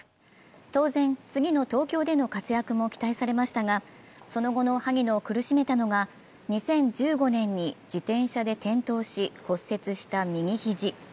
当然、次の東京での活躍も期待されましたがその後の萩野を苦しめたのが２０１５年に自転車で転倒し、骨折した右肘。